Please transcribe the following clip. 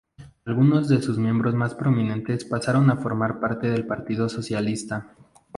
Algunos de sus miembros más prominentes pasaron a formar parte del Partido Socialista.